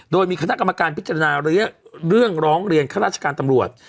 โดยมีคณะกรรมการพิจารณาเรื่องร้องเรียนข้าราชการตำรวจ